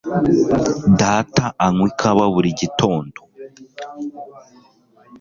Data anywa ikawa buri gitondo.